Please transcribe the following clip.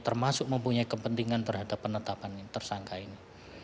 termasuk mempunyai kepentingan terhadap penetapan tersangka ini